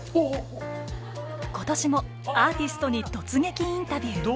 今年もアーティストに突撃インタビュー！